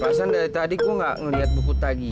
pasan dari tadi ku enggak ngelihat buku tagi